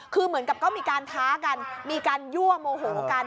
คือเหมือนกับก็มีการท้ากันมีการยั่วโมโหกัน